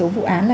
vụ án là